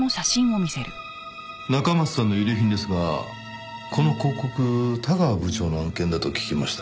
中松さんの遺留品ですがこの広告田川部長の案件だと聞きましたが。